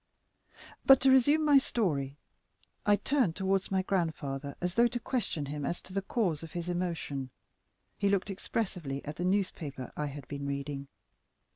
But to resume my story; I turned towards my grandfather, as though to question him as to the cause of his emotion; he looked expressively at the newspaper I had been reading.